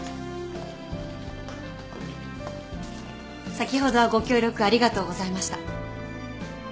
先ほどはご協力ありがとうございました。